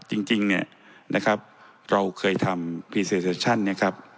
จริงจริงเนี่ยนะครับเราเคยทำเนี่ยครับ